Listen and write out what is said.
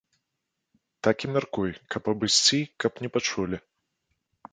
Так і мяркуй, каб абысці, каб не пачулі.